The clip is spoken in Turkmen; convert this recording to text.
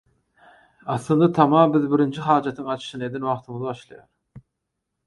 Aslynda tama biz birinji hajatyň açyşyny eden wagtymyz başlaýar.